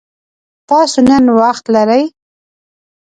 تاسو نن وخت لری؟